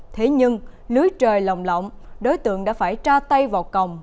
thế nhưng lưới trời lồng lộng đối tượng đã phải tra tay vào còng